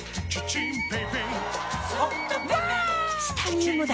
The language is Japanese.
チタニウムだ！